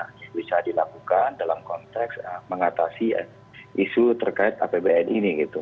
yang bisa dilakukan dalam konteks mengatasi isu terkait apbn ini gitu